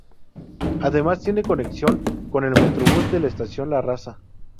Además tiene conexión con el Metrobús en la estación La Raza.